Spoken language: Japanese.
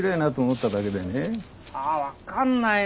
あ分かんないな。